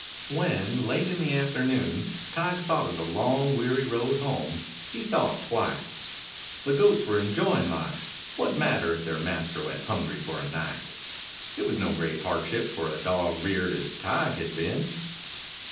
When, late in the afternoon, Tige thought of the long, weary road home, he thought twice. The goats were enjoying life; what matter if their master went hungry for a night? It was no great hardship for a dog reared as Tige had been.